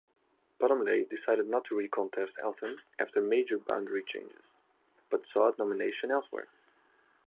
Bottomley decided not to re-contest Eltham after major boundary changes, but sought nomination elsewhere.